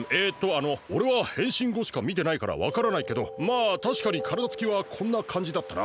あのおれはへんしんごしかみてないからわからないけどまあたしかにからだつきはこんなかんじだったな。